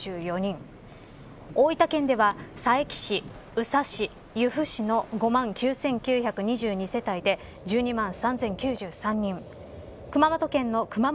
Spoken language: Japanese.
大分県では佐伯市、宇佐市由布市の５万９９２２世帯で１２万３０９３人